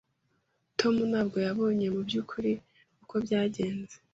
Tom ntabwo yabonye mubyukuri uko byagenze.